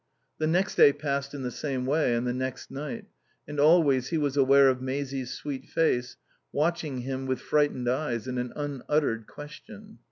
The next day passed in the same way, and the next night; and always he was aware of Maisie's sweet face watching him with frightened eyes and an unuttered question.